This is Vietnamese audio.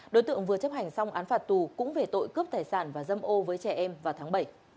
đối tượng vừa chấp hành xong án phạt tù cũng về tội cướp tài sản và dâm ô với trẻ em vào tháng bảy